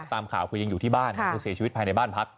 ตามข่าวคือยังอยู่ที่บ้านคือเสียชีวิตภายในบ้านพัก